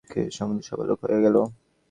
সভাসুদ্ধ লোক অবাক হইয়া গেল।